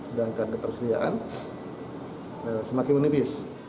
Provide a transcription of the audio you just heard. sedangkan ketersediaan semakin menipis